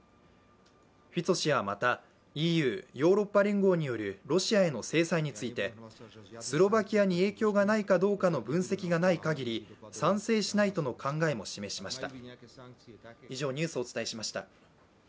フィツォ氏はまた、ＥＵ＝ヨーロッパ連合によるロシアへの制裁についてスロバキアに影響がないかどうかの分析がない限り、賛成しないとの考えも示しました。